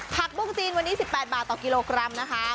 บุ้งจีนวันนี้๑๘บาทต่อกิโลกรัมนะคะ